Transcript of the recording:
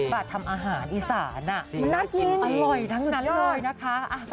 ว่าทำอาหารอีสานมันน่ากินอร่อยนะคุณผู้ชม